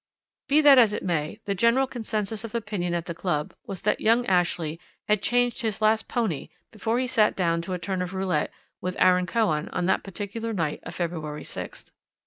"Be that as it may, the general consensus of opinion at the Club was that young Ashley had changed his last 'pony' before he sat down to a turn of roulette with Aaron Cohen on that particular night of February 6th.